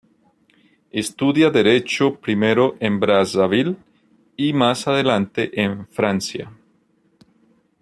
Estudia Derecho primero en Brazzaville y más adelante en Francia.